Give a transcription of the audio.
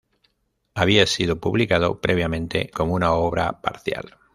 Había sido publicado previamente como una obra parcial.